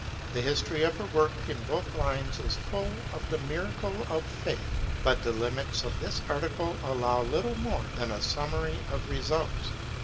The his tory of her work in both lines is frdl of the miracles of faith, but the limits of this arti cle allow littie more than a summary of re sults.